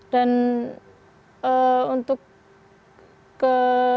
dan untuk ke